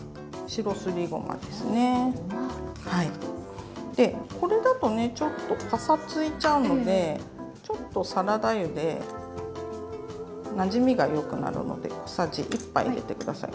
でこれだとねちょっとパサついちゃうのでちょっとサラダ油でなじみがよくなるので小さじ１杯入れて下さい。